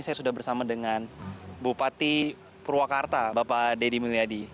saya sudah bersama dengan bupati purwakarta bapak deddy mulyadi